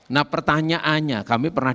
nah pertanyaannya kami pernah